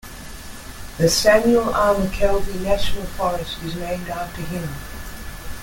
The Samuel R. McKelvie National Forest is named after him.